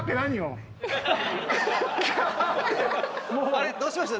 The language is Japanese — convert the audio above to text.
あれっ？どうしました？